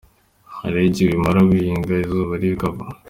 Hari igihe umara guhinga izuba rikava.